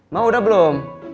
ma udah belum